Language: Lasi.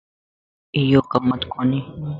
ايو ڪمت ڪوني